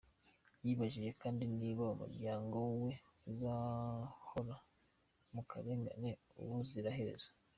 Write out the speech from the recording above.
Yibajije kandi niba umuryango we uzahora mu karengane ubuziraherezo.